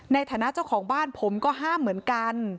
ในฐานะเจ้าของบ้านผมก็ห้ามเหมือนกัน